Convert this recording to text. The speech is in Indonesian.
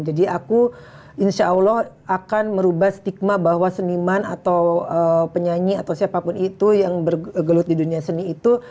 jadi aku insya allah akan merubah stigma bahwa seniman atau penyanyi atau siapapun itu yang bergelut di dunia seni itu